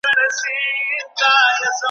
یو وزر نه دی چي سوځي بې حسابه درته ګوري `